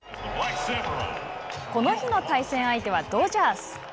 この日の対戦相手はドジャース。